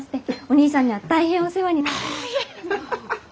お兄さんには大変お世話になってます。